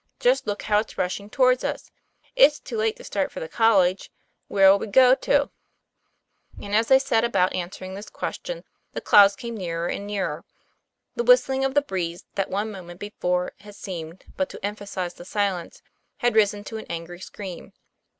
Just look how it's rushing towards us. It's too late to start for the college. Where' 11 we go to?" And as they set about answering this question the clouds came nearer and nearer. The whistling of the breeze that one moment before had seemed but to emphasize the silence, had risen to an angry scream.